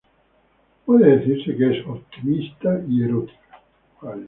Puede decirse que es optimista y erótica.